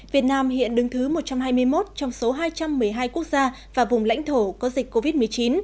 việt nam hiện đứng thứ một trăm hai mươi một trong số hai trăm một mươi hai quốc gia và vùng lãnh thổ có dịch covid một mươi chín